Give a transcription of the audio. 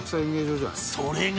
それが